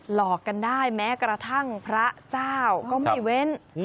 หลอกกันได้แม้กระทั่งพระเจ้าก็ไม่เว้น